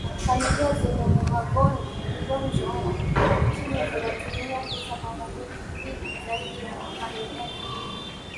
familia zenye mgonjwa wa ukimwi zinatumia pesa mara mbili zaidi ya familia nyingine